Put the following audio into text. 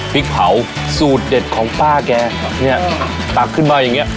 พริกเผาสูตรเด็ดของป้าแกครับเนี่ยตักขึ้นมาอย่างเงี้